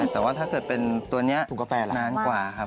แต่ว่าถ้าเกิดเป็นตัวนี้นานกว่าครับ